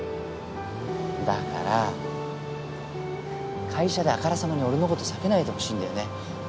だから会社であからさまに俺のこと避けないでほしいんだよね。